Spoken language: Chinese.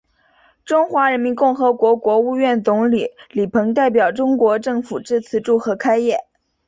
中华人民共和国国务院总理李鹏代表中国政府致词祝贺开业。